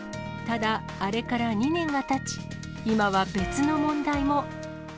ただ、あれから２年がたち、今は別の問題も。